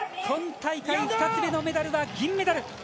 今大会２つ目のメダルは銀メダル。